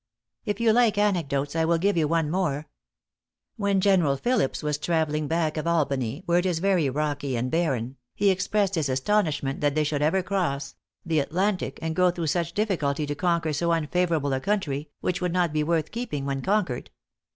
"If you like anecdotes, I will give you one more: "When General Phillips was travelling back of Albany, where it is very rocky and barren, he expressed his astonishment that they should ever cross; the Atlantic, and go through such difficulty to conquer so unfavorable a country, which would not be worth keeping when conquered.